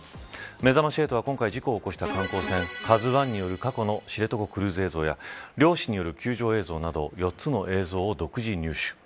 めざまし８は、今回事故を起こした観光船ＫＡＺＵ１による過去の知床クルーズ映像や漁師による救助映像など４つの映像を独自入手。